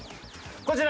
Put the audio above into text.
こちら。